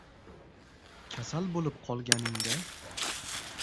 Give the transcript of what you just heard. Kasal bo'lib qolganingda